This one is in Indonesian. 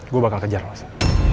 gue bakal kejar lo sa